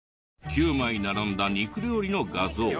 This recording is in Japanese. ９枚並んだ肉料理の画像。